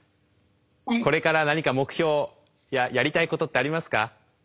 これから何か目標やりたいことってありますか？